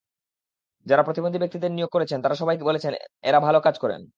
যাঁরা প্রতিবন্ধী ব্যক্তিদের নিয়োগ করেছেন, তাঁরা সবাই বলেছেন এঁরা ভালো কাজ করেন।